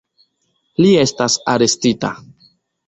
Li estas arestita.